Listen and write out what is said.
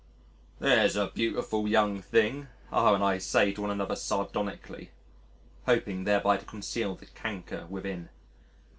"There's a beautiful young thing," R and I say to one another sardonically, hoping thereby to conceal the canker within.